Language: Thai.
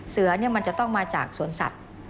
เสือมันจะต้องมาจากสวนสัตว์